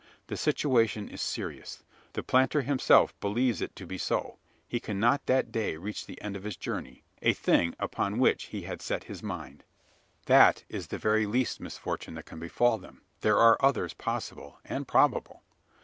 The situation is serious: the planter himself believes it to be so. He cannot that day reach the end of his journey a thing upon which he had set his mind. That is the very least misfortune that can befall them. There are others possible, and probable.